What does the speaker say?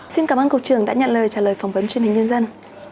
xin cảm ơn cục trưởng đã nhận lời trả lời phỏng vấn truyền hình nhân dân